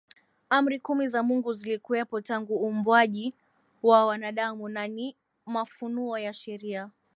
Amri kumi za Mungu zilikuwepo tangu Uumbwaji wa Wanadamu na ni mafunuo ya Sheria